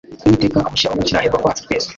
Uwiteka amushyiraho gukiranirwa kwacu twese.